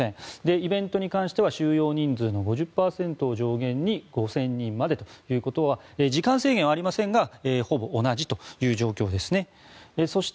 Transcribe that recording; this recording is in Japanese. イベントに関しては収容人数の５０％を上限に５０００人までということは時間制限はありませんがほぼ同じという状況ですね。